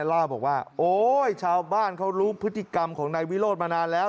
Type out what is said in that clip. เล่าบอกว่าโอ๊ยชาวบ้านเขารู้พฤติกรรมของนายวิโรธมานานแล้ว